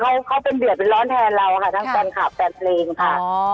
เขาเขาเป็นเดือดเป็นร้อนแทนเราค่ะทั้งแฟนคลับแฟนเพลงค่ะ